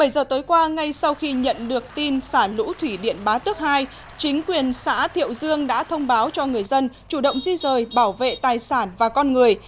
bảy giờ tối qua ngay sau khi nhận được tin xả lũ thủy điện bá tước hai chính quyền xã thiệu dương đã thông báo cho người dân chủ động di rời bảo vệ tài sản và con người